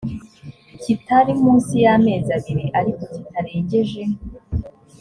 kitari munsi y amezi abiri ariko kitarengeje